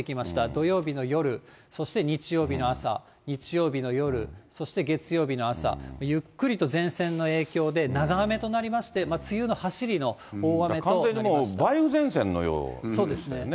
土曜日の夜、そして日曜日の朝、日曜日の夜、そして月曜日の朝、ゆっくりと前線の影響で長雨となりまして、完全に梅雨前線のようですね。